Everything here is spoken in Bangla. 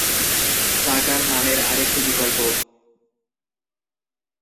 "চাকার" নামের আরেকটি বিকল্প।